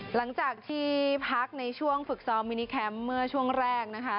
หลังจากที่พักในช่วงฝึกซ้อมมินิแคมป์เมื่อช่วงแรกนะคะ